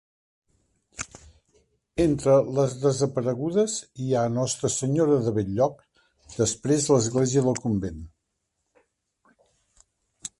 Entre les desaparegudes hi ha Nostra Senyora de Bell-lloc, després Església del Convent.